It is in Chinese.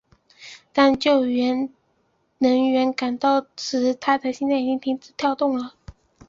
当救援人员赶到时他的心脏已经停止跳动了。